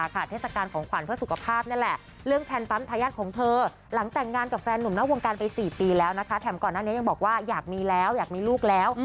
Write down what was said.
แถมก่อนหน้านี้ยังบอกว่าอยากมีแล้วอยากมีลูกแล้ว